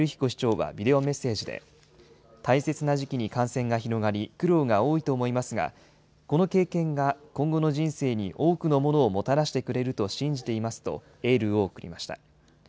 市長はビデオメッセージで、大切な時期に感染が広がり、苦労が多いと思いますが、この経験が今後の人生に多くのものをもたらしてくれると信じていますとエールを送りました。